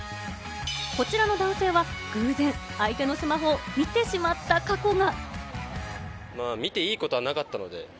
こちらの男性は偶然、相手のスマホを見てしまった過去が。